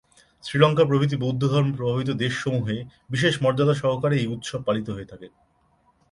শ্রীলঙ্কা প্রভৃতি বৌদ্ধ ধর্মে প্রভাবিত দেশসমূহে বিশেষ মর্যাদা সহকারে এই উৎসব পালিত হয়ে থাকে।